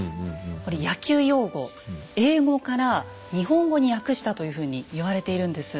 これ野球用語英語から日本語に訳したというふうに言われているんです。